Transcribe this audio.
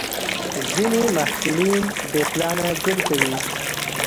ځینې محصلین بې پلانه ژوند کوي.